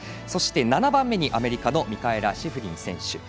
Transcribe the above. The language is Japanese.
そして、７番目にアメリカのミカエラ・シフリン選手。